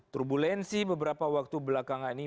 turbulensi beberapa waktu belakangan ini